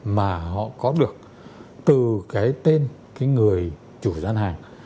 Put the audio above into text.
mà họ có được từ cái tên cái người chủ gian hàng